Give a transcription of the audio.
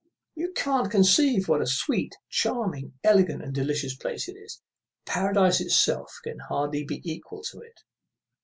You can't conceive what a sweet, charming, elegant, delicious place it is. Paradise itself can hardly be equal to it."